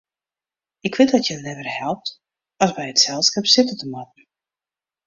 Ik wit dat hja leaver helpt as by it selskip sitte te moatten.